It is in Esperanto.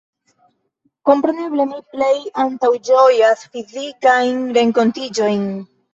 Kompreneble mi plej antaŭĝojas fizikajn renkontiĝojn.